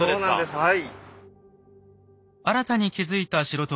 はい。